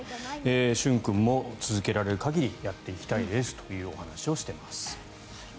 駿君も続けられる限りやっていきたいですというお話をしています。